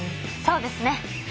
そうですね。